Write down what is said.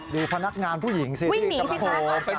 ดูพนักงานผู้หญิงสิวิ่งหนีสิครับ